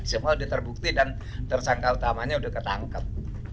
semua sudah terbukti dan tersangka utamanya sudah ketangkep